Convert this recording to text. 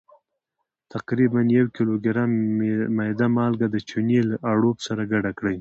تقریبا یو کیلوګرام میده مالګه د چونې له اړوب سره ګډه کړئ.